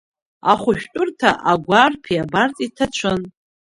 Ахәшәтәырҭа агәарԥи абарҵеи ҭацәын.